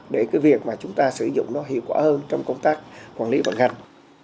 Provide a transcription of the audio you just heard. để việc chúng ta sử dụng nó hiệu quả hơn trong công tác quản lý vận hành